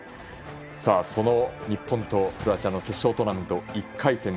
その日本とクロアチアの決勝トーナメント１回戦